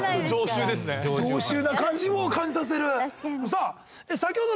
さあ。